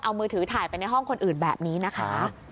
เอามือถือถ่ายไปในห้องคนอื่นแบบนี้นะคะ